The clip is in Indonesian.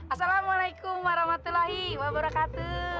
assalamualaikum warahmatullahi wabarakatuh